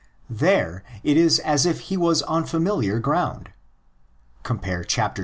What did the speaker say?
There it is as if he was on familiar ground (compare xxviii.